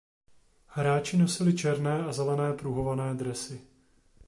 Hráči nosili černé a zelené pruhované dresy.